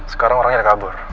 sekarang orangnya udah kabur